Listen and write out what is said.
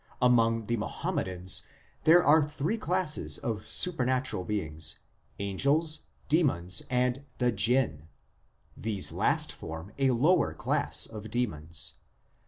Among the Muhammadans there are three classes of supernatural beings : angels, demons, and the Jinn, these last form a lower class of demons.